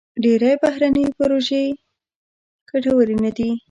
ډېری بهرني پروژې ګټورې نه دي.